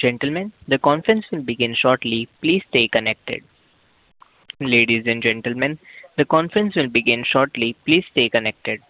Gentlemen, the conference will begin shortly. Please stay connected. Ladies and gentlemen, the conference will begin shortly. Please stay connected.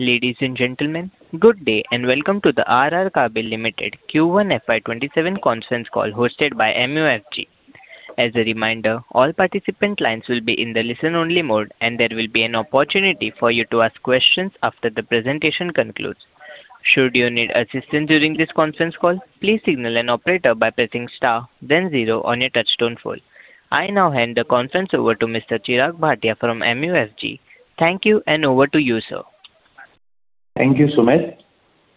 Ladies and gentlemen, good day and welcome to the R R Kabel Limited Q1 FY 2027 conference call hosted by MUFG. As a reminder, all participant lines will be in the listen only mode, and there will be an opportunity for you to ask questions after the presentation concludes. Should you need assistance during this conference call, please signal an operator by pressing star then zero on your touchtone phone. I now hand the conference over to Mr. Chirag Bhatiya from MUFG. Thank you, and over to you, sir. Thank you, Sumeet.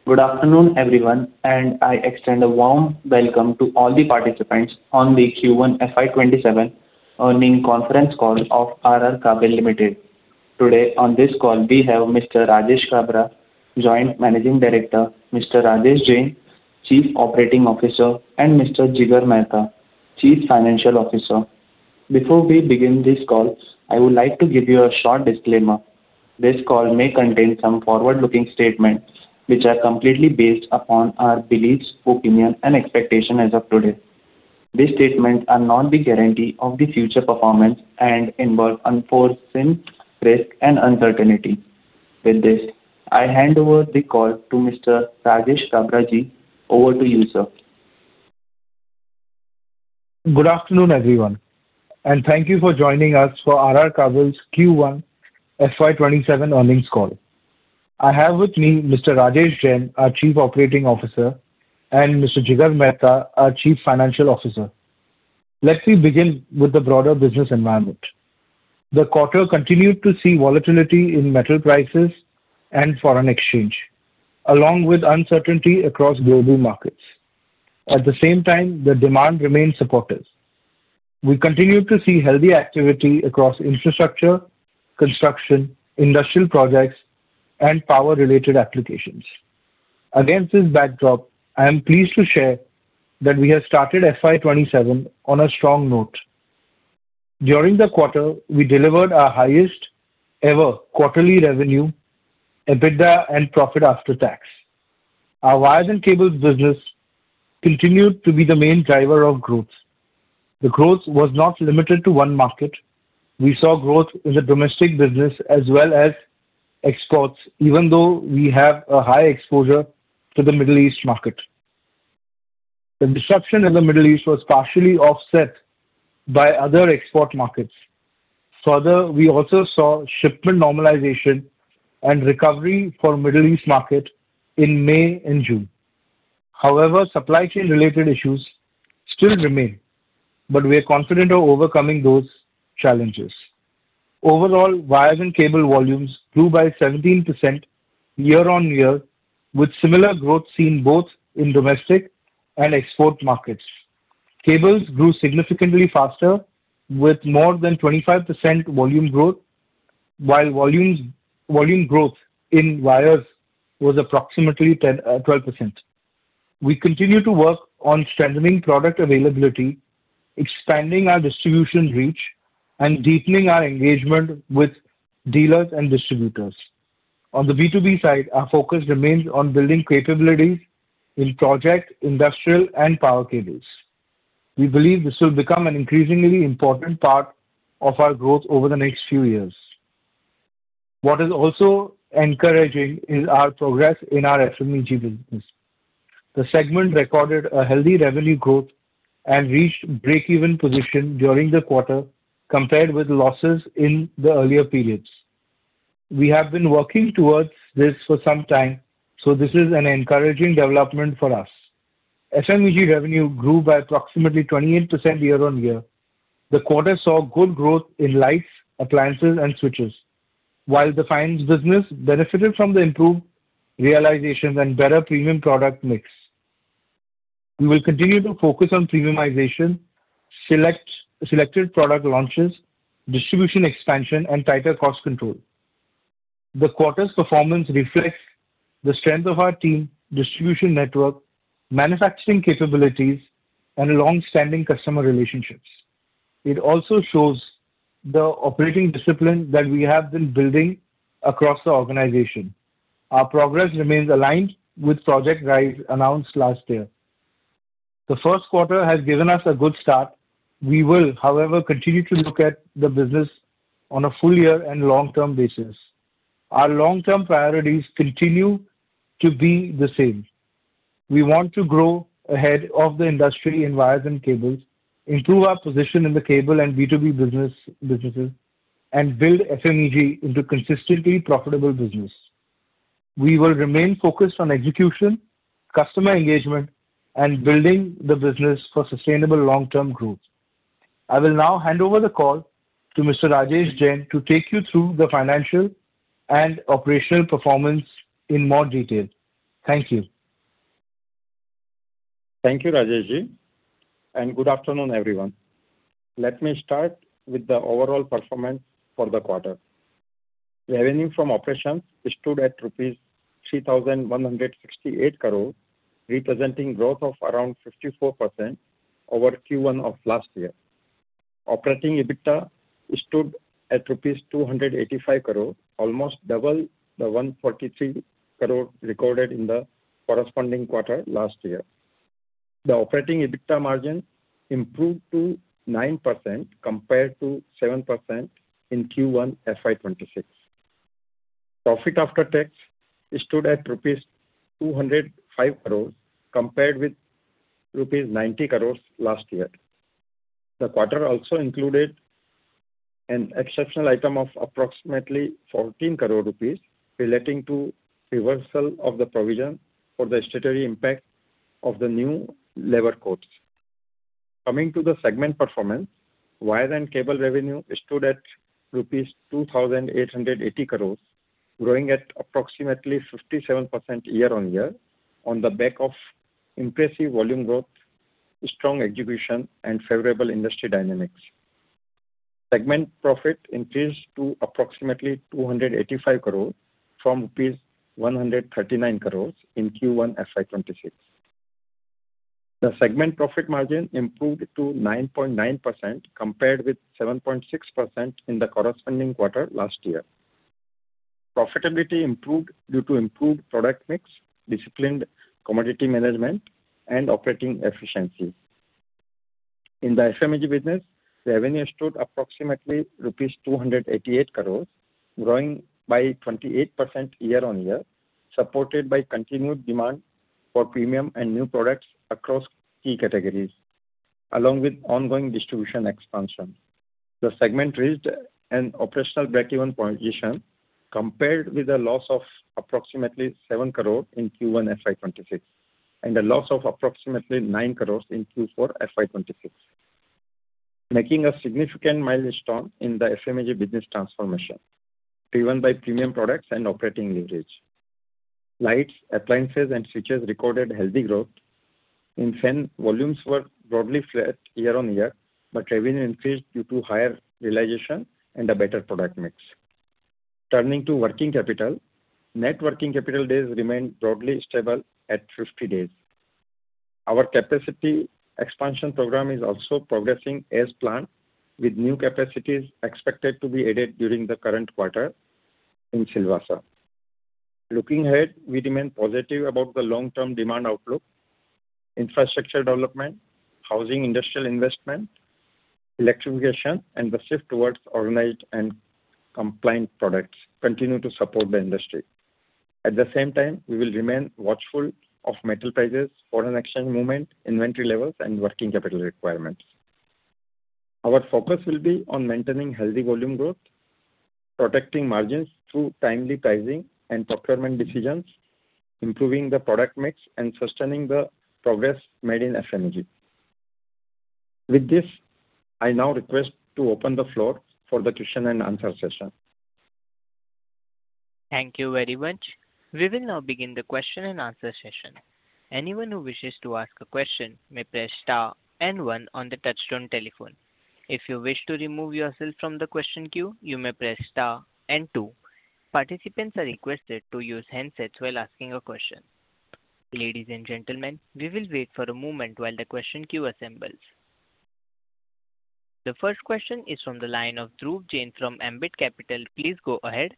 Good afternoon, everyone, and I extend a warm welcome to all the participants on the Q1 FY 2027 earnings conference call of R R Kabel Limited. Today on this call, we have Mr. Rajesh Kabra, Joint Managing Director, Mr. Rajesh Jain, Chief Operating Officer, and Mr. Jigar Mehta, Chief Financial Officer. Before we begin this call, I would like to give you a short disclaimer. This call may contain some forward-looking statements, which are completely based upon our beliefs, opinion, and expectation as of today. These statements are not the guarantee of the future performance and involve unforeseen risk and uncertainty. With this, I hand over the call to Mr. Rajesh Kabra. Over to you, sir. Good afternoon, everyone, and thank you for joining us for R R Kabel's Q1 FY 2027 earnings call. I have with me Mr. Rajesh Jain, our Chief Operating Officer, and Mr. Jigar Mehta, our Chief Financial Officer. Let me begin with the broader business environment. The quarter continued to see volatility in metal prices and foreign exchange, along with uncertainty across global markets. At the same time, the demand remained supportive. We continued to see healthy activity across infrastructure, construction, industrial projects, and power-related applications. Against this backdrop, I am pleased to share that we have started FY 2027 on a strong note. During the quarter, we delivered our highest-ever quarterly revenue, EBITDA, and profit after tax. Our wires and cables business continued to be the main driver of growth. The growth was not limited to one market. We saw growth in the domestic business as well as exports, even though we have a high exposure to the Middle East market. The disruption in the Middle East was partially offset by other export markets. Further, we also saw shipment normalization and recovery for Middle East market in May and June. However, supply chain related issues still remain, but we are confident of overcoming those challenges. Overall, wires and cable volumes grew by 17% year-over-year with similar growth seen both in domestic and export markets. Cables grew significantly faster with more than 25% volume growth, while volume growth in wires was approximately 12%. We continue to work on strengthening product availability, expanding our distribution reach, and deepening our engagement with dealers and distributors. On the B2B side, our focus remains on building capabilities in project, industrial, and power cables. We believe this will become an increasingly important part of our growth over the next few years. What is also encouraging is our progress in our FMEG business. The segment recorded a healthy revenue growth and reached breakeven position during the quarter compared with losses in the earlier periods. We have been working towards this for some time. This is an encouraging development for us. FMEG revenue grew by approximately 28% year on year. The quarter saw good growth in lights, appliances, and switches. While the fans business benefited from the improved realizations and better premium product mix. We will continue to focus on premiumization, selected product launches, distribution expansion, and tighter cost control. The quarter's performance reflects the strength of our team, distribution network, manufacturing capabilities, and longstanding customer relationships. It also shows the operating discipline that we have been building across the organization. Our progress remains aligned with Project RISE announced last year. The first quarter has given us a good start. We will, however, continue to look at the business on a full year and long-term basis. Our long-term priorities continue to be the same. We want to grow ahead of the industry in wires and cables, improve our position in the cable and B2B businesses, and build FMEG into a consistently profitable business. We will remain focused on execution, customer engagement, and building the business for sustainable long-term growth. I will now hand over the call to Mr. Rajesh Jain to take you through the financial and operational performance in more detail. Thank you. Thank you, Rajesh, and good afternoon, everyone. Let me start with the overall performance for the quarter. Revenue from operations stood at rupees 3,168 crore, representing growth of around 54% over Q1 of last year. Operating EBITDA stood at rupees 285 crore, almost double the 143 crore recorded in the corresponding quarter last year. The operating EBITDA margin improved to 9% compared to 7% in Q1 FY 2026. Profit after tax stood at rupees 205 crore, compared with rupees 90 crore last year. The quarter also included an exceptional item of approximately 14 crore rupees relating to reversal of the provision for the statutory impact of the new labor codes. Coming to the segment performance, wire and cable revenue stood at rupees 2,880 crore, growing at approximately 57% year on year on the back of impressive volume growth, strong execution, and favorable industry dynamics. Segment profit increased to approximately 285 crore from rupees 139 crore in Q1 FY 2026. The segment profit margin improved to 9.9%, compared with 7.6% in the corresponding quarter last year. Profitability improved due to improved product mix, disciplined commodity management, and operating efficiency. In the FMEG business, revenue stood approximately rupees 288 crore, growing by 28% year on year, supported by continued demand for premium and new products across key categories, along with ongoing distribution expansion. The segment reached an operational breakeven position compared with a loss of approximately 7 crore in Q1 FY 2026, and a loss of approximately 9 crore in Q4 FY 2026, making a significant milestone in the FMEG business transformation, driven by premium products and operating leverage. Lights, appliances, and switches recorded healthy growth. In fans, volumes were broadly flat year on year, but revenue increased due to higher realization and a better product mix. Turning to working capital, net working capital days remained broadly stable at 50 days. Our capacity expansion program is also progressing as planned, with new capacities expected to be added during the current quarter in Silvassa. Looking ahead, we remain positive about the long-term demand outlook. Infrastructure development, housing, industrial investment, electrification, and the shift towards organized and compliant products continue to support the industry. At the same time, we will remain watchful of metal prices, foreign exchange movement, inventory levels, and working capital requirements. Our focus will be on maintaining healthy volume growth, protecting margins through timely pricing and procurement decisions, improving the product mix, and sustaining the progress made in FMEG. With this, I now request to open the floor for the question-and-answer session. Thank you very much. We will now begin the question-and-answer session. Anyone who wishes to ask a question may press star and one on the touchtone telephone. If you wish to remove yourself from the question queue, you may press star and two. Participants are requested to use handsets while asking a question. Ladies and gentlemen, we will wait for a moment while the question queue assembles. The first question is from the line of Dhruv Jain from Ambit Capital. Please go ahead.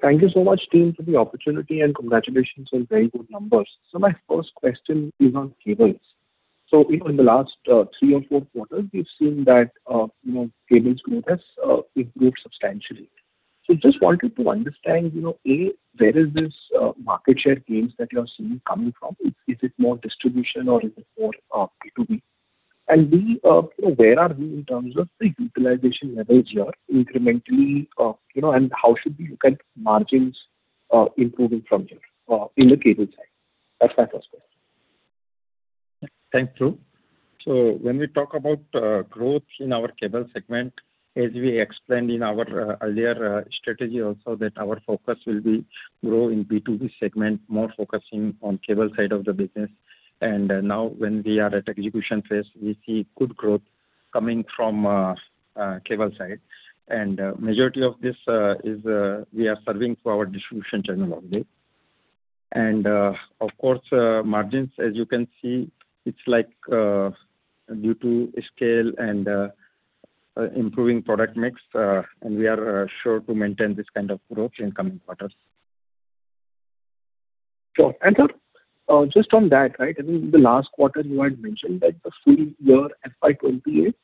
Thank you so much team for the opportunity, and congratulations on very good numbers. My first question is on cables. In the last three or four quarters, we've seen that cables growth has improved substantially. Just wanted to understand, A, where is this market share gains that you're seeing coming from? Is it more distribution or is it more B2B? B, where are we in terms of the utilization levels here incrementally, and how should we look at margins improving from here in the cable side? That's my first question. Thanks, Dhruv. When we talk about growth in our cable segment, as we explained in our earlier strategy also that our focus will be grow in B2B segment, more focusing on cable side of the business. Now when we are at execution phase, we see good growth coming from cable side. Of course, margins, as you can see, it's due to scale and improving product mix, and we are sure to maintain this kind of approach in coming quarters. Sure. Sir, just on that, I think the last quarter you had mentioned that the full year FY 2028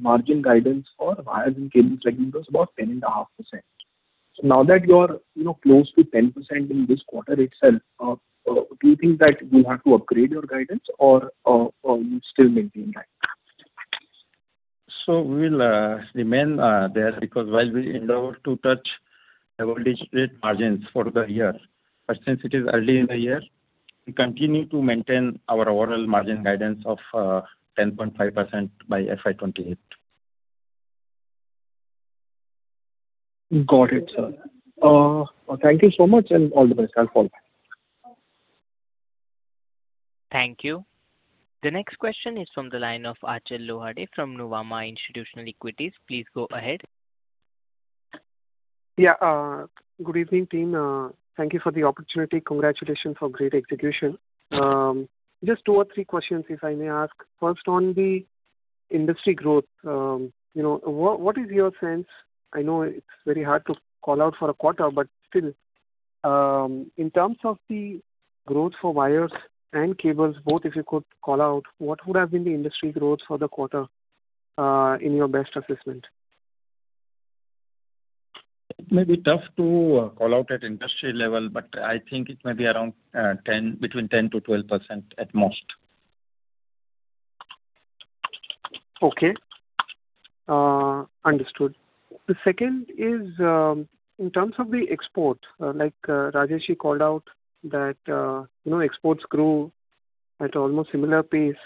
margin guidance for wire and cable segment was about 10.5%. Now that you are close to 10% in this quarter itself, do you think that you have to upgrade your guidance, or you still maintain that? We'll remain there because while we endeavor to touch double-digit margins for the year, but since it is early in the year, we continue to maintain our overall margin guidance of 10.5% by FY 2028. Got it, sir. Thank you so much and all the best. I'll call back. Thank you. The next question is from the line of Achal Lohade from Nuvama Institutional Equities. Please go ahead. Yeah. Good evening team. Thank you for the opportunity. Congratulations for great execution. Just two or three questions, if I may ask. First, on the industry growth, what is your sense? I know it is very hard to call out for a quarter, but still, in terms of the growth for wires and cables, both, if you could call out, what would have been the industry growth for the quarter in your best assessment? It may be tough to call out at industry level, but I think it may be between 10%-12% at most. Okay. Understood. The second is, in terms of the export, like Rajesh, you called out that exports grew at almost similar pace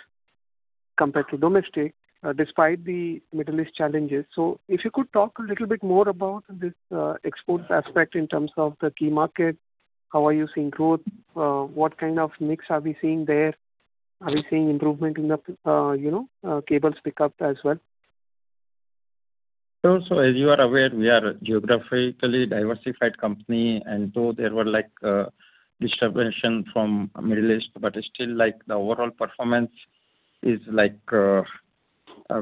compared to domestic, despite the Middle East challenges. If you could talk a little bit more about this export aspect in terms of the key market, how are you seeing growth? What kind of mix are we seeing there? Are we seeing improvement in the cables pick up as well? As you are aware, we are a geographically diversified company, and so there were disturbance from Middle East. Still the overall performance is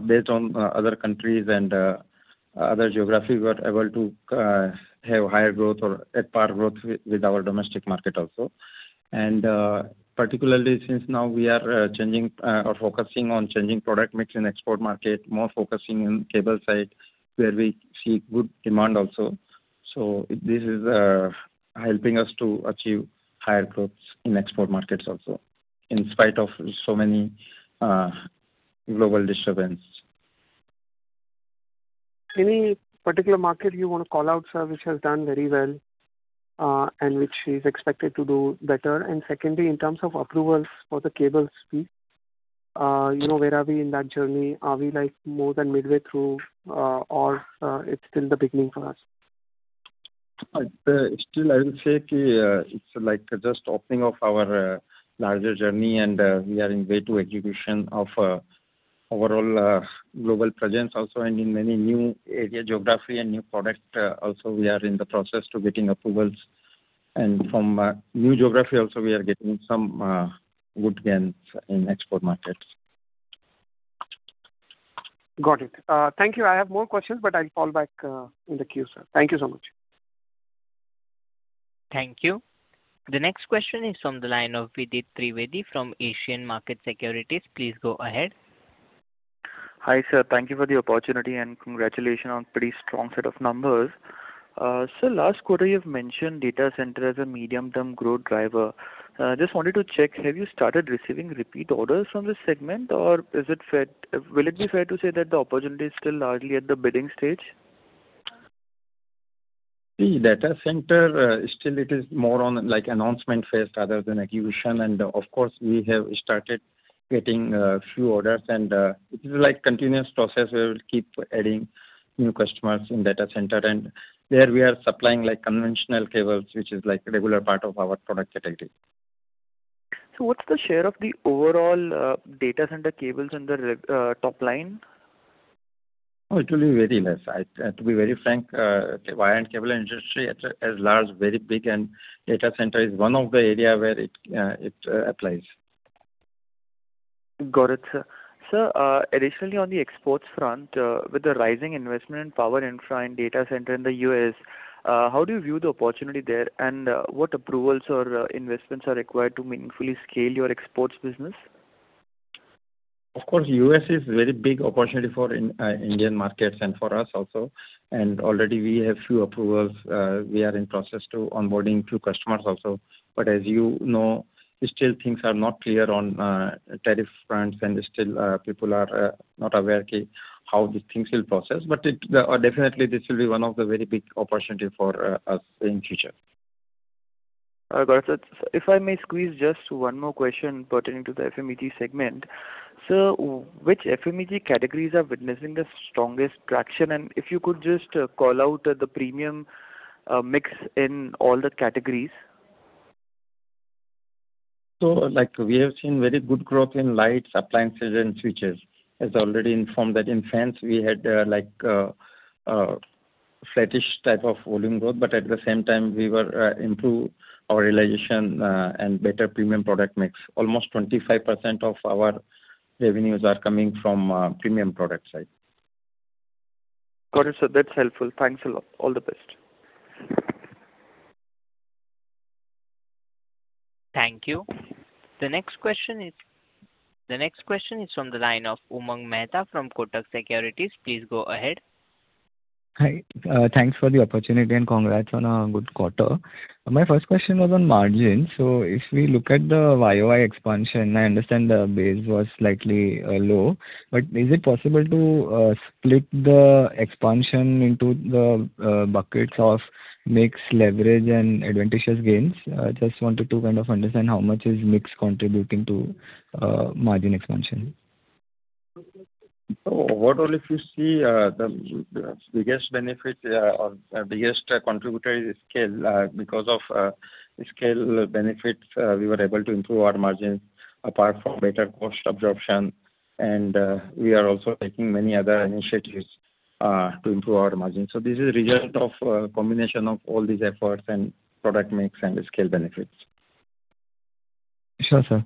based on other countries and other geographies we are able to have higher growth or at par growth with our domestic market also. Particularly, since now we are changing or focusing on changing product mix in export market, more focusing on cable side, where we see good demand also. This is helping us to achieve higher growths in export markets also, in spite of so many global disturbances. Any particular market you want to call out, sir, which has done very well, and which is expected to do better? Secondly, in terms of approvals for the cables piece, where are we in that journey? Are we more than midway through or it's still the beginning for us? Still, I will say it's just opening of our larger journey, and we are in way to execution of overall global presence also and in many new area geography and new product also we are in the process to getting approvals. From new geography also we are getting some good gains in export markets. Got it. Thank you. I have more questions, but I'll call back in the queue, sir. Thank you so much. Thank you. The next question is from the line of Vidit Trivedi from Asian Market Securities. Please go ahead. Hi, sir. Thank you for the opportunity and congratulations on pretty strong set of numbers. Sir, last quarter you've mentioned data center as a medium-term growth driver. Just wanted to check, have you started receiving repeat orders from this segment or will it be fair to say that the opportunity is still largely at the bidding stage? The data center, still it is more on announcement phase rather than execution and of course we have started getting a few orders and it is a continuous process. We will keep adding new customers in data center and there we are supplying conventional cables which is regular part of our product category. What's the share of the overall data center cables in the top line? It will be very less. To be very frank, wire and cable industry is large, very big and data center is one of the areas where it applies. Got it, sir. Sir, additionally on the exports front, with the rising investment in power infra and data center in the U.S., how do you view the opportunity there and what approvals or investments are required to meaningfully scale your exports business? Of course, U.S. is very big opportunity for Indian markets and for us also. Already we have few approvals. We are in process to onboarding few customers also. As you know, still things are not clear on tariff fronts and still people are not aware how these things will process. Definitely this will be one of the very big opportunities for us in future. Got it. If I may squeeze just one more question pertaining to the FMEG segment. Sir, which FMEG categories are witnessing the strongest traction and if you could just call out the premium mix in all the categories. We have seen very good growth in lights, appliances and switches. As already informed that in fans we had flattish type of volume growth. At the same time, we will improve our realization and better premium product mix. Almost 25% of our revenues are coming from premium product side. Got it, sir. That's helpful. Thanks a lot. All the best. Thank you. The next question is from the line of Umang Mehta from Kotak Securities. Please go ahead. Hi. Thanks for the opportunity, and congrats on a good quarter. My first question was on margin. If we look at the YoY expansion, I understand the base was slightly low. Is it possible to split the expansion into the buckets of mix leverage and advantageous gains? I just wanted to kind of understand how much is mix contributing to margin expansion. Overall, if you see, the biggest contributor is scale. Because of scale benefits, we were able to improve our margin apart from better cost absorption. We are also taking many other initiatives to improve our margin. This is a result of a combination of all these efforts and product mix and scale benefits. Sure, sir.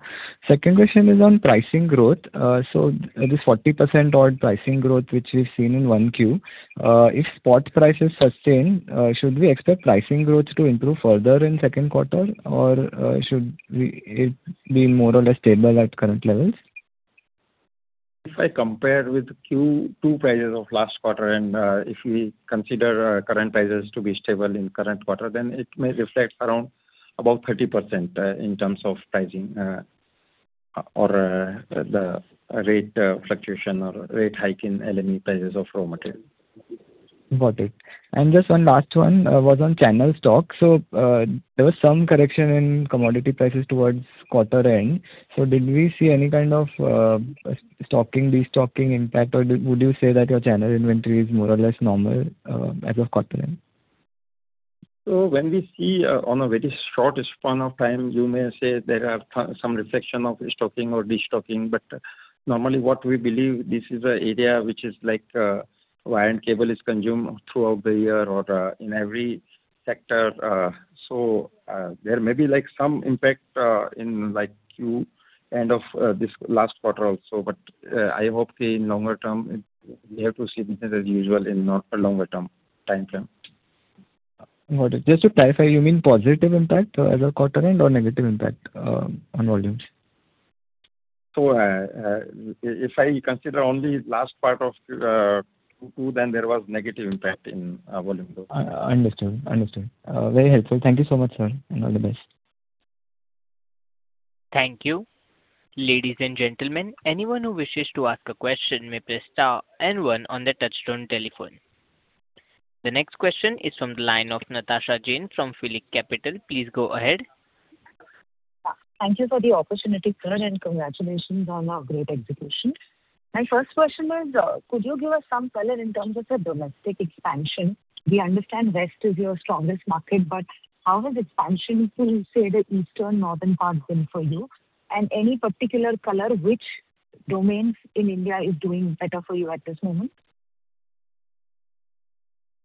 Second question is on pricing growth. This 40% odd pricing growth, which we've seen in one Q, if spot prices sustain, should we expect pricing growth to improve further in second quarter, or should it be more or less stable at current levels? If I compare with Q2 prices of last quarter, if we consider current prices to be stable in current quarter, it may reflect around about 30% in terms of pricing or the rate fluctuation or rate hike in LME prices of raw material. Got it. Just one last one was on channel stock. There was some correction in commodity prices towards quarter end. Did we see any kind of stocking, destocking impact, or would you say that your channel inventory is more or less normal as of quarter end? When we see on a very short span of time, you may say there are some reflections of stocking or destocking, normally what we believe, this is a area which is like wire and cable is consumed throughout the year or in every sector. There may be some impact in Q end of this last quarter also. I hope in longer term, we have to see business as usual in longer term timeframe. Got it. Just to clarify, you mean positive impact as of quarter end or negative impact on volumes? If I consider only last part of Q2, then there was negative impact in volume growth. Understood. Very helpful. Thank you so much, sir, and all the best. Thank you. Ladies and gentlemen, anyone who wishes to ask a question may press star and one on their touchtone telephone. The next question is from the line of Natasha Jain from PhillipCapital. Please go ahead. Thank you for the opportunity, sir, and congratulations on a great execution. My first question was, could you give us some color in terms of the domestic expansion? We understand West is your strongest market, how has expansion to, say, the eastern northern part been for you? Any particular color which domains in India is doing better for you at this moment?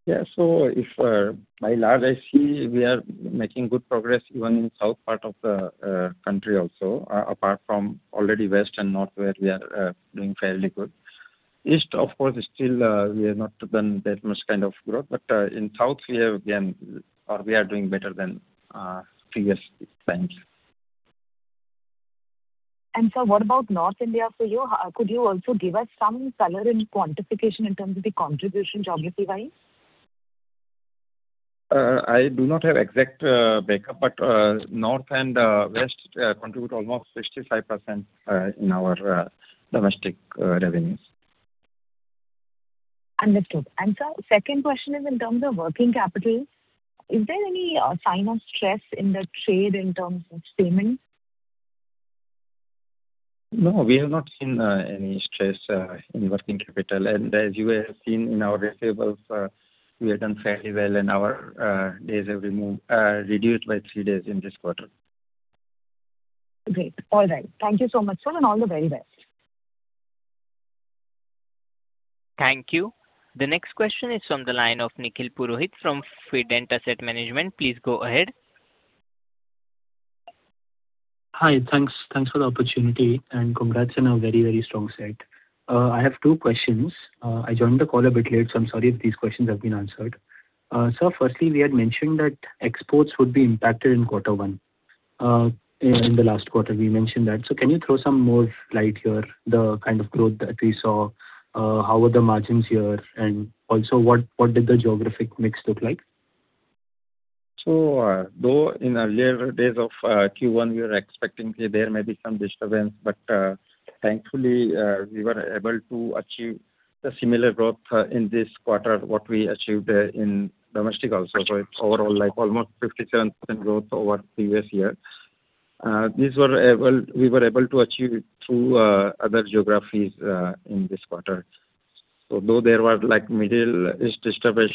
By large, I see we are making good progress even in south part of the country also, apart from already west and north where we are doing fairly good. East, of course, still we have not done that much kind of growth. In south, we are doing better than previous times. Sir, what about North India for you? Could you also give us some color and quantification in terms of the contribution geography-wise? I do not have exact breakup, but North and West contribute almost 65% in our domestic revenues. Understood. Sir, second question is in terms of working capital. Is there any sign of stress in the trade in terms of payments? No, we have not seen any stress in working capital. As you have seen in our receivables, we have done fairly well, and our days have reduced by three days in this quarter. Great. All right. Thank you so much, sir, and all the very best. Thank you. The next question is from the line of Nikhil Purohit from Fident Asset Management. Please go ahead. Hi. Thanks for the opportunity, and congrats on a very strong set. I have two questions. I joined the call a bit late, so I'm sorry if these questions have been answered. Sir, firstly, we had mentioned that exports would be impacted in quarter one. In the last quarter we mentioned that. Can you throw some more light here, the kind of growth that we saw, how were the margins here, and also what did the geographic mix look like? Though in earlier days of Q1, we were expecting there may be some disturbance. Thankfully, we were able to achieve the similar growth in this quarter, what we achieved in domestic also. It's overall like almost 57% growth over previous year. We were able to achieve it through other geographies in this quarter. Though there was Middle East disturbance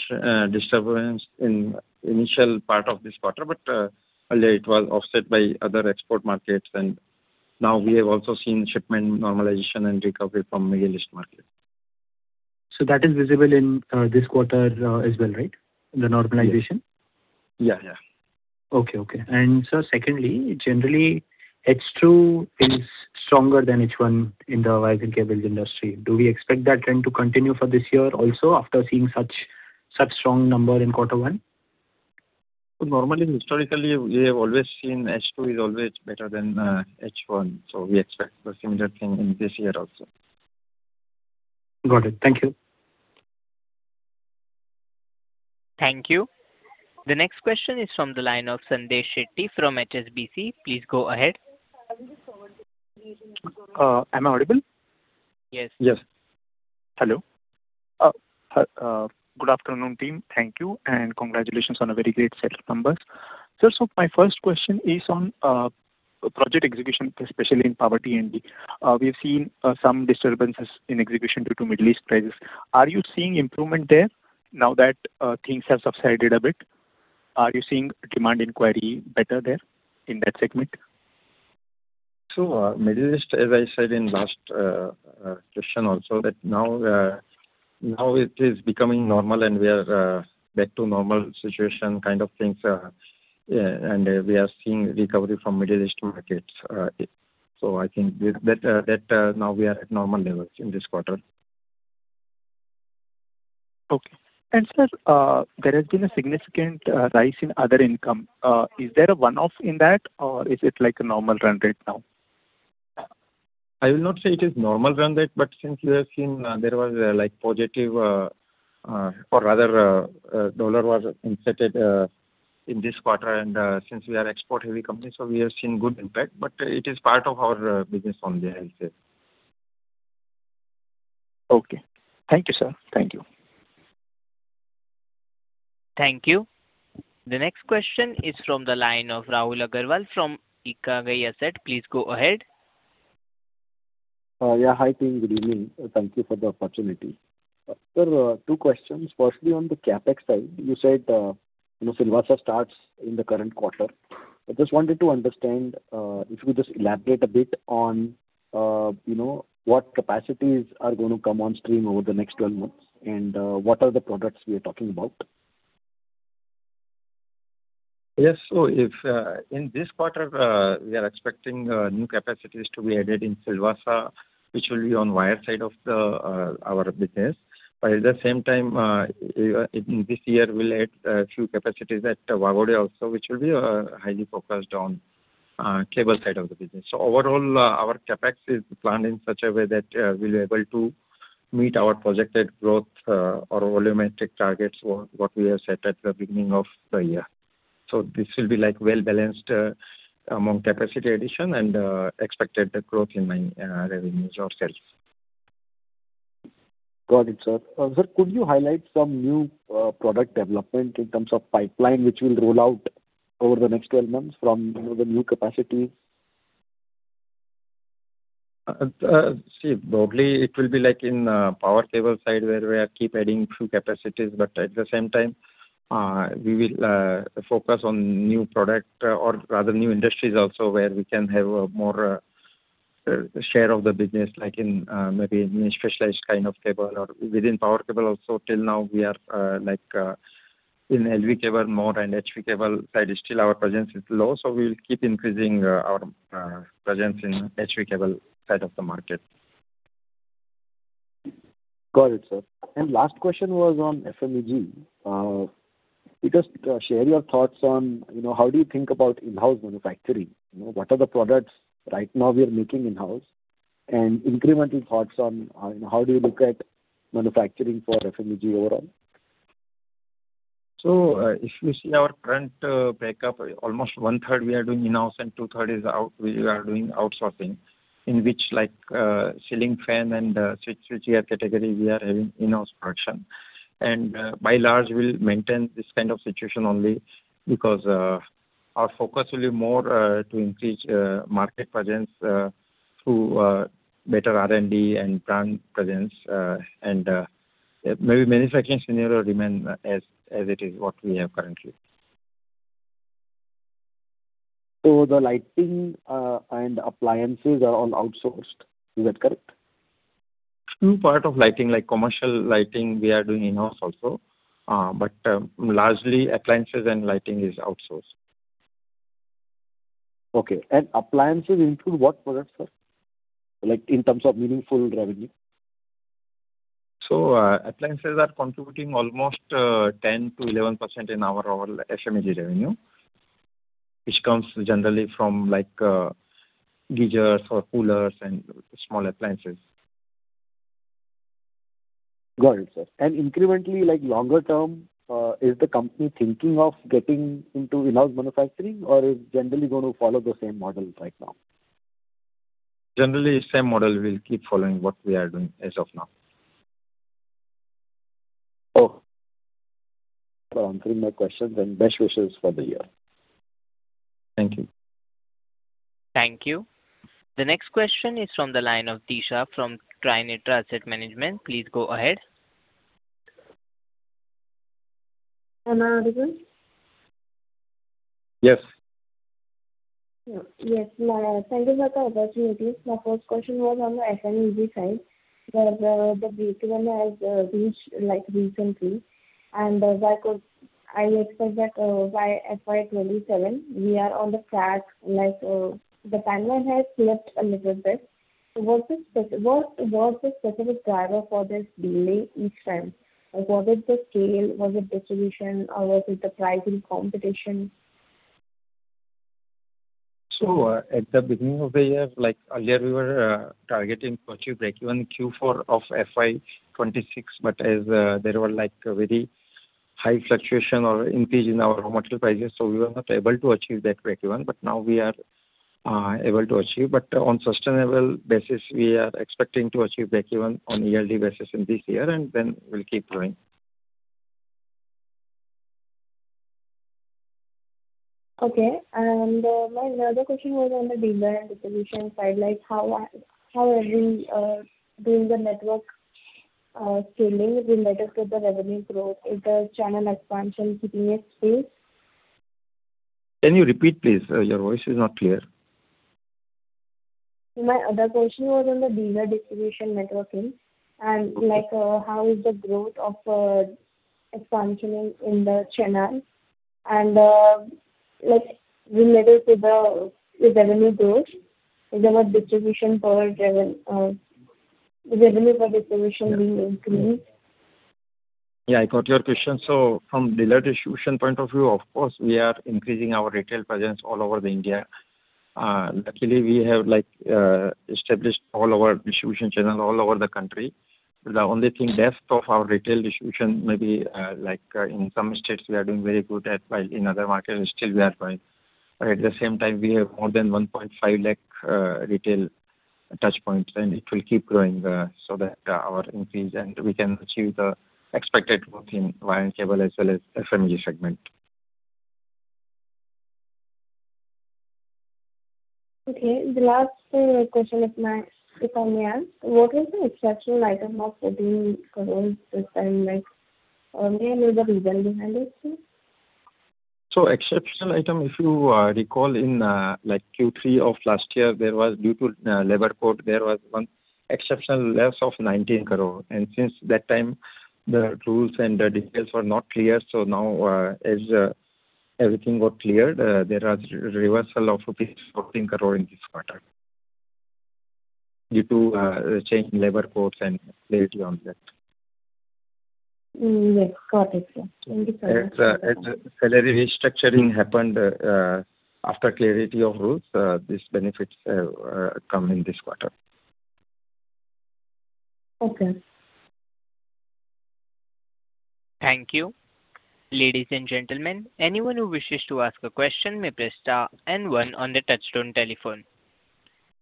in initial part of this quarter, but it was offset by other export markets. Now we have also seen shipment normalization and recovery from Middle East market. That is visible in this quarter as well, right? The normalization. Yeah. Okay. Sir, secondly, generally H2 is stronger than H1 in the wire and cable industry. Do we expect that trend to continue for this year also after seeing such strong number in quarter one? Normally, historically, we have always seen H2 is always better than H1. We expect a similar thing in this year also. Got it. Thank you. Thank you. The next question is from the line of Sandesh Shetty from HSBC. Please go ahead. Am I audible? Yes. Yes. Hello. Good afternoon, team. Thank you and congratulations on a very great set of numbers. Sir, my first question is on project execution, especially in Power T&D. We have seen some disturbances in execution due to Middle East crisis. Are you seeing improvement there now that things have subsided a bit? Are you seeing demand inquiry better there in that segment? Middle East, as I said in last question also, that now it is becoming normal, and we are back to normal situation kind of things. We are seeing recovery from Middle East markets. I think that now we are at normal levels in this quarter. Okay. Sir, there has been a significant rise in other income. Is there a one-off in that or is it like a normal run rate now? I will not say it is normal run rate, but since we have seen there was like positive or rather dollar was inserted in this quarter and since we are export-heavy company, so we have seen good impact, but it is part of our business from there itself. Okay. Thank you, sir. Thank you. Thank you. The next question is from the line of Rahul Agarwal from Ikigai Asset. Please go ahead. Hi, team. Good evening. Thank you for the opportunity. Sir, two questions. Firstly, on the CapEx side, you said Silvassa starts in the current quarter. I just wanted to understand, if you could just elaborate a bit on what capacities are going to come on stream over the next 12 months and what are the products we are talking about. Yes. In this quarter, we are expecting new capacities to be added in Silvassa, which will be on wire side of our business. At the same time, in this year, we'll add a few capacities at Waghodia also, which will be highly focused on cable side of the business. Overall, our CapEx is planned in such a way that we'll be able to meet our projected growth or volumetric targets, or what we have set at the beginning of the year. This will be well-balanced among capacity addition and expected growth in my revenues or sales. Got it, sir. Sir, could you highlight some new product development in terms of pipeline which will roll out over the next 12 months from the new capacity? Broadly, it will be like in power cable side where we keep adding few capacities, at the same time, we will focus on new product or rather new industries also where we can have a more share of the business, like in maybe in a specialized kind of cable or within power cable also till now we are like in LV cable more and HV cable side still our presence is low, we'll keep increasing our presence in HV cable side of the market. Got it, sir. Last question was on FMEG. If you could share your thoughts on, how do you think about in-house manufacturing, what are the products right now we are making in-house, and incremental thoughts on how do you look at manufacturing for FMEG overall? If you see our current breakup, almost one-third we are doing in-house and two-third is out. We are doing outsourcing, in which like ceiling fan and switchgear category we are having in-house production. By large, we'll maintain this kind of situation only because our focus will be more to increase market presence through better R&D and brand presence. Maybe manufacturing scenario remain as it is, what we have currently. The lighting and appliances are all outsourced. Is that correct? Few part of lighting, like commercial lighting, we are doing in-house also. Largely, appliances and lighting is outsourced. Okay. Appliances include what products, sir? Like in terms of meaningful revenue. Appliances are contributing almost 10%-11% in our overall FMEG revenue, which comes generally from like geysers or coolers and small appliances. Got it, sir. Incrementally, like longer term, is the company thinking of getting into in-house manufacturing or is generally going to follow the same model like now? Generally same model. We'll keep following what we are doing as of now. Okay. For answering my questions and best wishes for the year. Thank you. Thank you. The next question is from the line of Tisha from TriNetra Asset Management. Please go ahead. Am I audible? Yes. Yes. Thank you for the opportunity. My first question was on the FMEG side, where the breakeven has reached recently. As I could, I expect that by FY 2027, we are on the track. The timeline has slipped a little bit. What is the specific driver for this delay in trend? Was it the scale? Was it distribution? Was it the pricing competition? At the beginning of the year, earlier we were targeting to achieve breakeven Q4 of FY 2026. As there were very high fluctuation or increase in our raw material prices, we were not able to achieve that breakeven. Now we are able to achieve. On sustainable basis, we are expecting to achieve breakeven on a yearly basis in this year. Then we'll keep growing. Okay. My another question was on the dealer distribution side. How are you doing the network scaling relative to the revenue growth? Is the channel expansion keeping pace? Can you repeat, please? Your voice is not clear. My other question was on the dealer distribution networking, how is the growth of expansion in the channel, relative to the revenue growth. Is the revenue for distribution being increased? Yeah, I got your question. From dealer distribution point of view, of course, we are increasing our retail presence all over India. Luckily, we have established distribution channels all over the country. The only thing, depth of our retail distribution, maybe in some states we are doing very good, while in other markets still we are behind. At the same time, we have more than 1.5 lakh retail touchpoints, it will keep growing so that our increase, we can achieve the expected growth in wire and cable as well as FMEG segment. Okay. The last question of mine, if I may ask. What was the exceptional item of 14 crores this time? May I know the reason behind it, sir? Exceptional item, if you recall in Q3 of last year, due to labor code, there was one exceptional loss of 19 crore. Since that time, the rules and the details were not clear. Now, as everything got cleared, there are reversal of rupees 14 crore in this quarter due to change in labor codes and clarity on that. Yes. Got it, sir. Thank you so much. As salary restructuring happened after clarity of rules, these benefits come in this quarter. Okay. Thank you. Ladies and gentlemen, anyone who wishes to ask a question may press star and one on the touchtone telephone.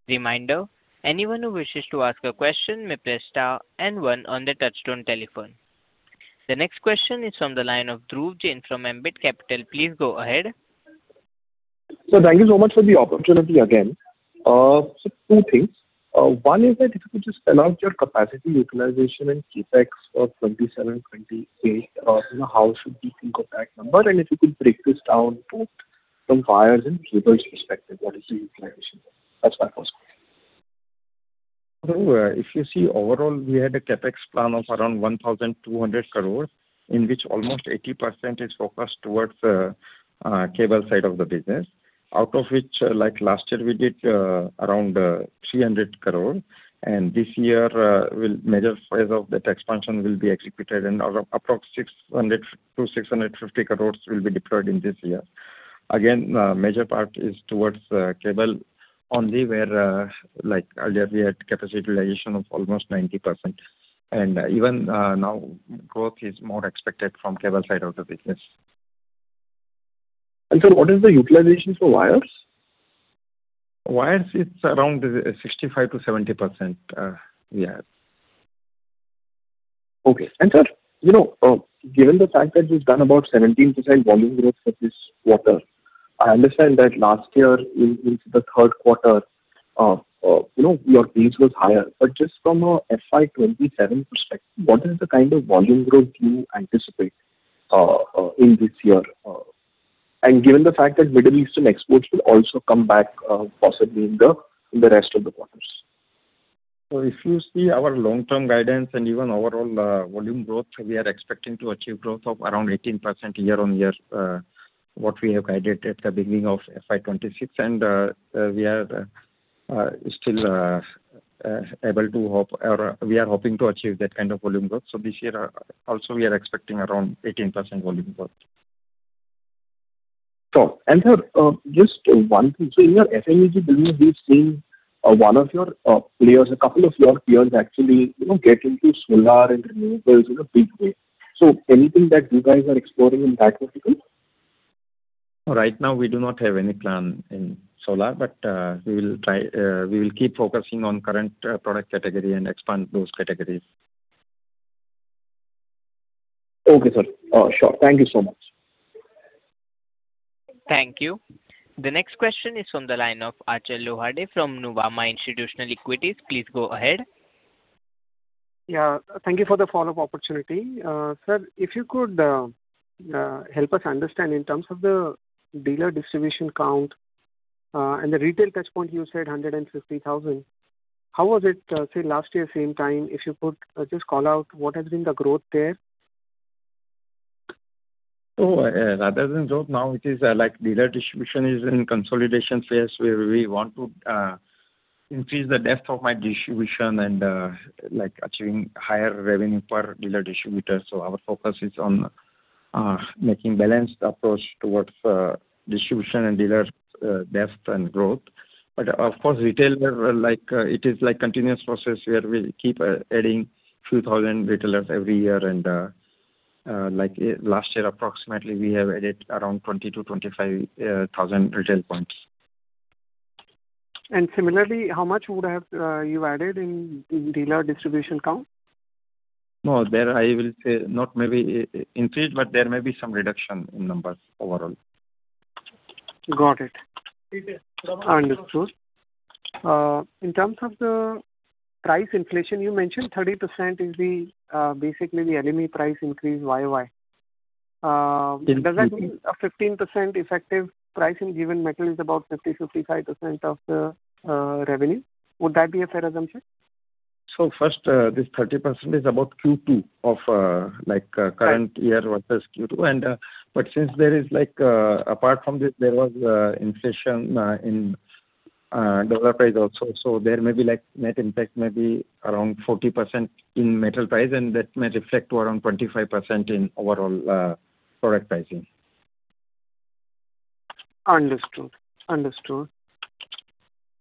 Reminder, anyone who wishes to ask a question may press star and one on the touchtone telephone. The next question is from the line of Dhruv Jain from Ambit Capital. Please go ahead. Sir, thank you so much for the opportunity again. Two things. One is that if you could just spell out your capacity utilization and CapEx for 2027, 2028. How should we think of that number? If you could break this down both from wires and cables perspective, what is the utilization there? That's my first question. Dhruv, if you see overall, we had a CapEx plan of around 1,200 crore, in which almost 80% is focused towards cable side of the business. Out of which, like last year, we did around 300 crore. This year, major phase of that expansion will be executed, and approx 600-650 crore will be deployed in this year. Again, major part is towards cable only, where earlier we had capacity utilization of almost 90%. Even now, growth is more expected from cable side of the business. Sir, what is the utilization for wires? Wires, it's around 65%-70%. Yeah. Sir, given the fact that you've done about 17% volume growth for this quarter, I understand that last year into the third quarter, your base was higher. Just from a FY 2027 perspective, what is the kind of volume growth you anticipate in this year? Given the fact that Middle East exports will also come back, possibly in the rest of the quarters. If you see our long-term guidance and even overall volume growth, we are expecting to achieve growth of around 18% year-over-year, what we have guided at the beginning of FY 2026. We are hoping to achieve that kind of volume growth. This year also, we are expecting around 18% volume growth. Sure. Sir, just one thing. In your FMEG business, we've seen a couple of your peers actually get into solar and renewables in a big way. Anything that you guys are exploring in that vertical? Right now, we do not have any plan in solar. We will keep focusing on current product category and expand those categories. Okay, sir. Sure. Thank you so much. Thank you. The next question is from the line of Achal Lohade from Nuvama Institutional Equities. Please go ahead. Thank you for the follow-up opportunity. Sir, if you could help us understand in terms of the dealer distribution count, and the retail touchpoint, you said 150,000. How was it, say, last year same time? If you could just call out what has been the growth there. That hasn't grown. Now it is like dealer distribution is in consolidation phase, where we want to increase the depth of my distribution and achieving higher revenue per dealer distributor. Our focus is on making balanced approach towards distribution and dealer depth and growth. Of course, retailer, it is like continuous process where we keep adding 2,000 retailers every year. Last year approximately we have added around 20,000 to 25,000 retail points. Similarly, how much would have you added in dealer distribution count? No, there I will say not maybe increased, but there may be some reduction in numbers overall. Got it. Understood. In terms of the price inflation, you mentioned 30% is basically the LME price increase YoY. In Q- Does that mean a 15% effective pricing, given metal is about 50%-55% of the revenue? Would that be a fair assumption? First, this 30% is about Q2 of current year versus Q2. Since apart from this there was inflation in USD price also, there may be like net impact maybe around 40% in metal price, and that may reflect to around 25% in overall product pricing. Understood.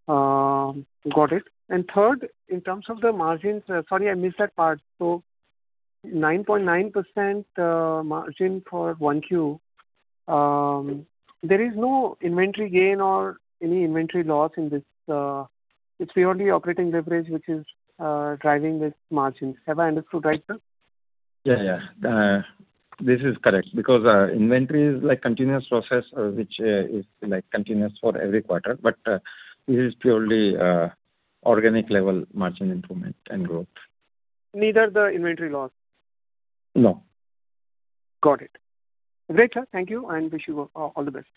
Got it. Third, in terms of the margins. Sorry, I missed that part. 9.9% margin for 1Q. There is no inventory gain or any inventory loss in this. It's purely operating leverage which is driving this margin. Have I understood right, sir? Yeah. This is correct, because inventory is like continuous process, which is continuous for every quarter. This is purely organic level margin improvement and growth. Neither the inventory loss? No. Got it. Great, sir. Thank you and wish you all the best.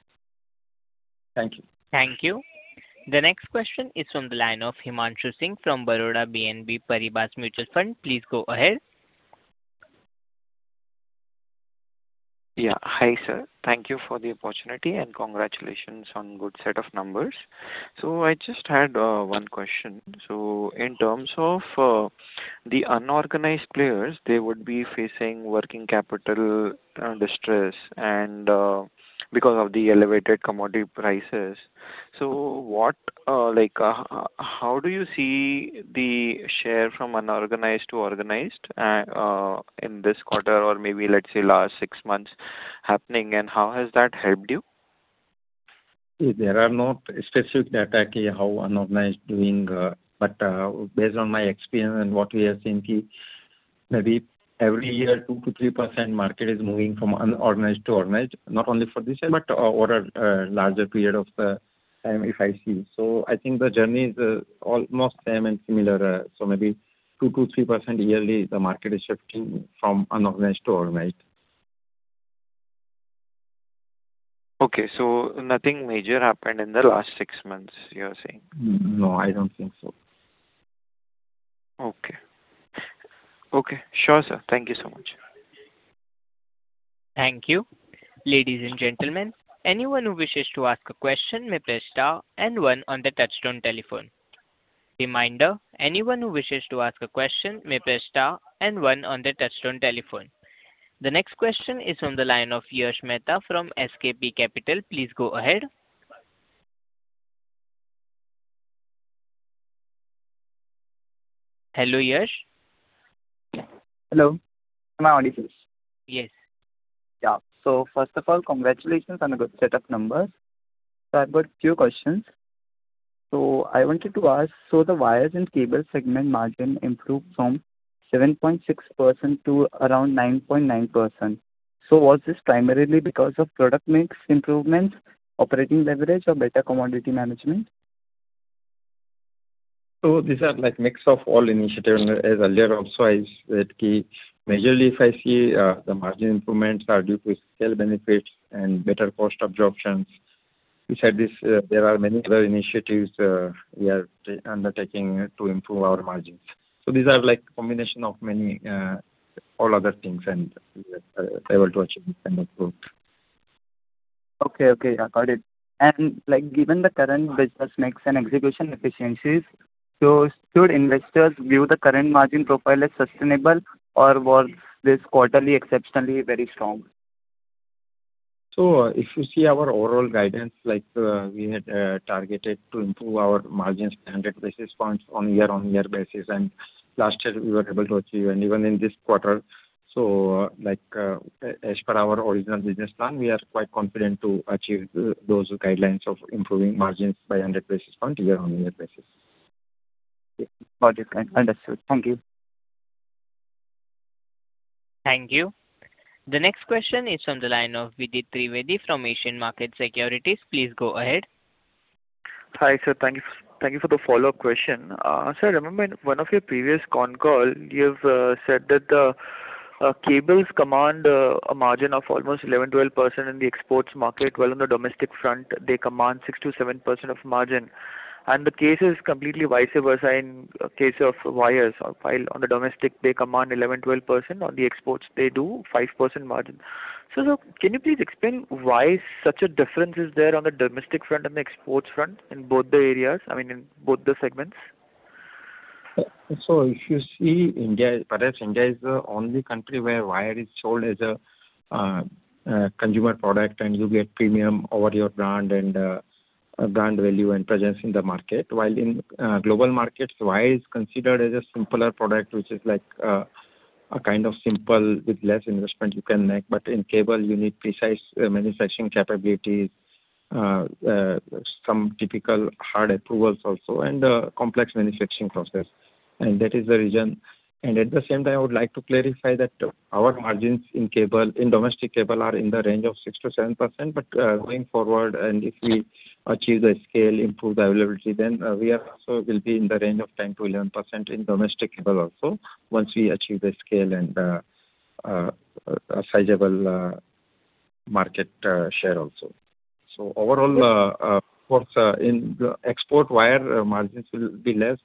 Thank you. Thank you. Next question is from the line of Himanshu Singh from Baroda BNP Paribas Mutual Fund. Please go ahead. Hi, sir. Thank you for the opportunity and congratulations on good set of numbers. I just had one question. In terms of the unorganized players, they would be facing working capital distress and because of the elevated commodity prices. How do you see the share from unorganized to organized in this quarter or maybe, let's say, last six months happening, and how has that helped you? There are no specific data how unorganized doing. Based on my experience and what we are seeing, maybe every year 2%-3% market is moving from unorganized to organized, not only for this year but over a larger period of the time if I see. I think the journey is almost same and similar. Maybe 2%-3% yearly the market is shifting from unorganized to organized. Okay. Nothing major happened in the last six months, you are saying? No, I don't think so. Okay. Sure, sir. Thank you so much. Thank you. Ladies and gentlemen, anyone who wishes to ask a question may press star and one on the touchtone telephone. Reminder, anyone who wishes to ask a question may press star and one on their touchtone telephone. The next question is on the line of Yash Mehta from SKP Capital. Please go ahead. Hello, Yash. Hello, am I audible? Yes. Yeah. First of all, congratulations on a good set of numbers. I've got few questions. I wanted to ask, so the wires and cable segment margin improved from 7.6% to around 9.9%. Was this primarily because of product mix improvements, operating leverage, or better commodity management? These are like mix of all initiatives. As earlier also I said, majorly if I see the margin improvements are due to scale benefits and better cost absorptions. Besides this, there are many other initiatives we are undertaking to improve our margins. These are like combination of many all-other things, and we are able to achieve and improve. Okay. Got it. Given the current business mix and execution efficiencies, should investors view the current margin profile as sustainable or was this quarterly exceptionally very strong? If you see our overall guidance, like we had targeted to improve our margins 100 basis points on year-on-year basis, and last year we were able to achieve. Even in this quarter, as per our original business plan, we are quite confident to achieve those guidelines of improving margins by 100 basis point year-on-year basis. Got it. Understood. Thank you. Thank you. The next question is from the line of Vidit Trivedi from Asian Market Securities. Please go ahead. Hi, sir. Thank you for the follow-up question. Sir, I remember in one of your previous con calls, you've said that the cables command a margin of almost 11%-12% in the exports market, while on the domestic front, they command 6%-7% of margin. The case is completely vice versa in case of wires. While on the domestic, they command 11%-12%, on the exports, they do 5% margin. Can you please explain why such a difference is there on the domestic front and the exports front in both the areas, I mean in both the segments? If you see, perhaps India is the only country where wire is sold as a consumer product, and you get premium over your brand and brand value and presence in the market. While in global markets, wire is considered as a simpler product, which is a kind of simple with less investment you can make. In cable, you need precise manufacturing capabilities, some typical hard approvals also, and a complex manufacturing process. That is the reason. At the same time, I would like to clarify that our margins in domestic cable are in the range of 6%-7%, going forward, if we achieve the scale, improve the availability, then we also will be in the range of 10%-11% in domestic cable also, once we achieve the scale and a sizable market share also. Overall, of course, in export wire, margins will be less,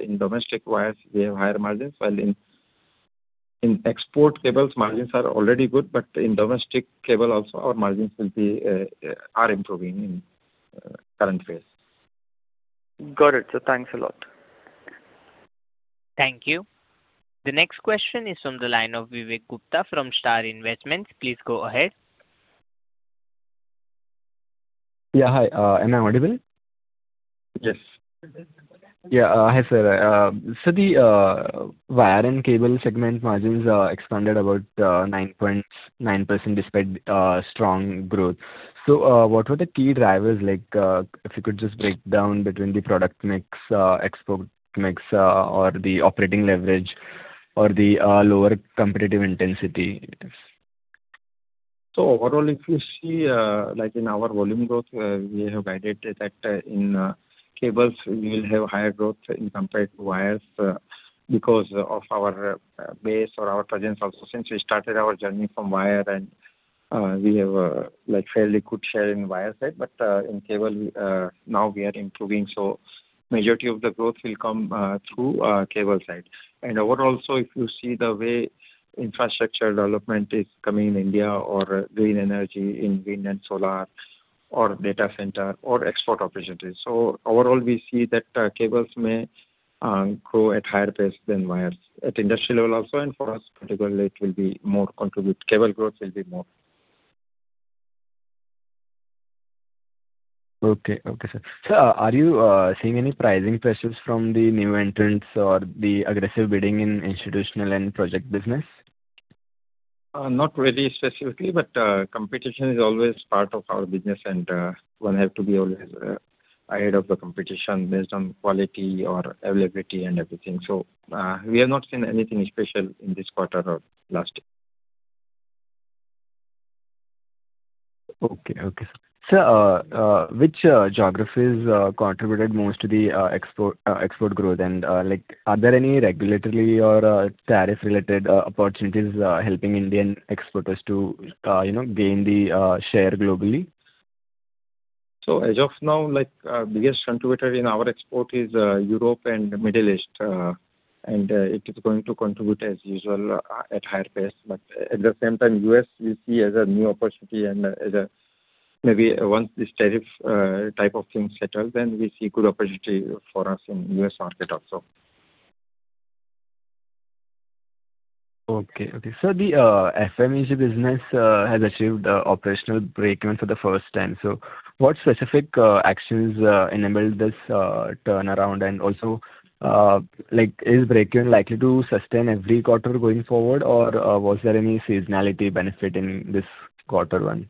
in domestic wires, we have higher margins. While in export cables, margins are already good, in domestic cable also, our margins are improving in current phase. Got it. Sir, thanks a lot. Thank you. The next question is from the line of Vivek Gupta from Star Investments. Please go ahead. Yeah. Hi. Am I audible? Yes. Yeah. Hi, sir. The wire and cable segment margins expanded about 9.9% despite strong growth. What were the key drivers, if you could just break down between the product mix, export mix, or the operating leverage or the lower competitive intensity? Overall, if you see in our volume growth, we have guided that in cables we will have higher growth compared to wires because of our base or our presence also, since we started our journey from wire and we have fairly good share in wire side, but in cable now we are improving. The majority of the growth will come through cable side. Overall, if you see the way infrastructure development is coming in India or green energy in wind and solar or data center or export opportunities. Overall, we see that cables may grow at a higher pace than wires at the industry level also, and for us particularly, cable growth will be more. Okay, sir. Sir, are you seeing any pricing pressures from the new entrants or the aggressive bidding in institutional and project business? Not really specifically, but competition is always part of our business, and one has to be always ahead of the competition based on quality or availability and everything. We have not seen anything special in this quarter or last. Okay, sir. Sir, which geographies contributed most to the export growth? Are there any regulatory or tariff-related opportunities helping Indian exporters to gain the share globally? As of now, biggest contributor in our export is Europe and Middle East, it is going to contribute as usual at higher pace. At the same time, U.S. we see as a new opportunity and as maybe once this tariff type of thing settles, then we see good opportunity for us in U.S. market also. Okay. Sir, the FMEG business has achieved operational breakeven for the first time. What specific actions enabled this turnaround? Also, is breakeven likely to sustain every quarter going forward, or was there any seasonality benefit in this quarter one?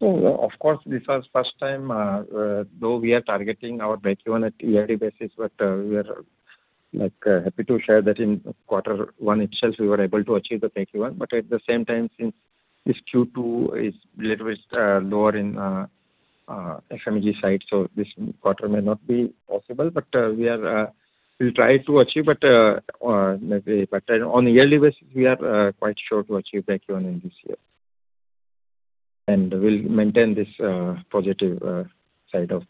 Of course, this was first time. Though we are targeting our breakeven at yearly basis, we are happy to share that in quarter one itself, we were able to achieve the breakeven. At the same time, since this Q2 is a little bit lower in FMEG side, this quarter may not be possible, but we'll try to achieve. On a yearly basis, we are quite sure to achieve breakeven in this year. We'll maintain this positive side up.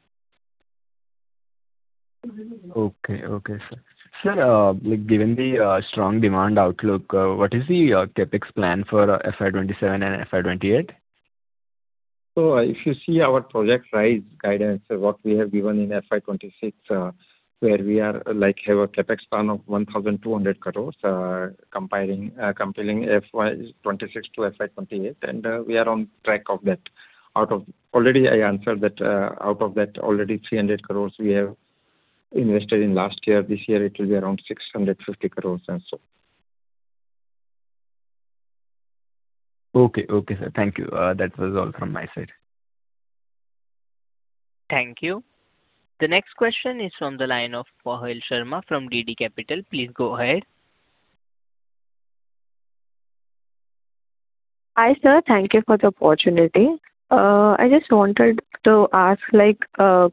Okay, sir. Sir, given the strong demand outlook, what is the CapEx plan for FY 2027 and FY 2028? If you see our project size guidance, what we have given in FY 2026, where we have a CapEx plan of 1,200 crores compiling FY 2026 to FY 2028, and we are on track of that. Already I answered that out of that, 300 crores we already invested last year. This year it will be around 650 crores or so. Okay, sir. Thank you. That was all from my side. Thank you. The next question is from the line of Sahil Sharma from DD Capital. Please go ahead. Hi, sir. Thank you for the opportunity. I just wanted to ask,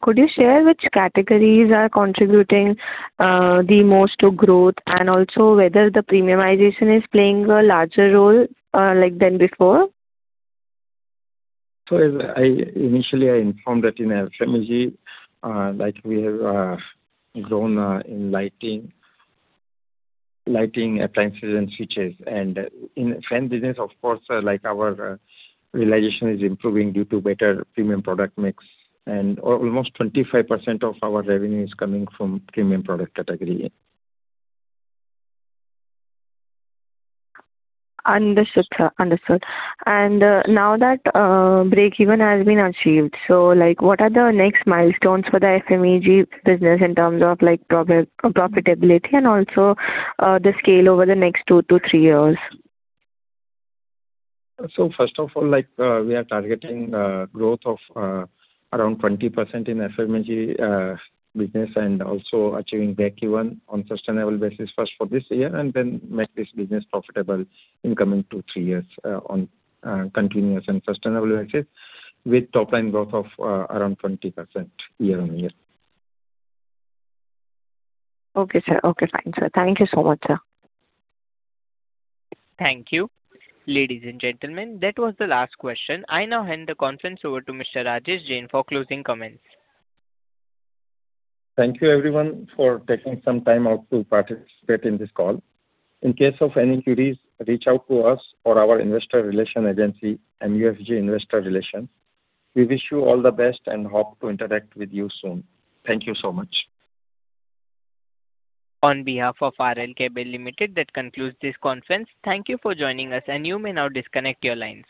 could you share which categories are contributing the most to growth, and also whether the premiumization is playing a larger role than before? Initially, I informed that in FMEG, we have grown in lighting appliances and switches. In fan business, of course, our realization is improving due to better premium product mix. Almost 25% of our revenue is coming from premium product category. Understood, sir. Now that breakeven has been achieved, what are the next milestones for the FMEG business in terms of profitability and also the scale over the next two to three years? First of all, we are targeting growth of around 20% in FMEG business and also achieving breakeven on sustainable basis first for this year and then make this business profitable in coming two, three years on continuous and sustainable basis with top-line growth of around 20% year-on-year. Okay, sir. Fine, sir. Thank you so much, sir. Thank you. Ladies and gentlemen, that was the last question. I now hand the conference over to Mr. Rajesh Jain for closing comments. Thank you everyone for taking some time out to participate in this call. In case of any queries, reach out to us or our investor relations agency, MUFG Investor Relations. We wish you all the best and hope to interact with you soon. Thank you so much. On behalf of R R Kabel Limited, that concludes this conference. Thank you for joining us, and you may now disconnect your lines.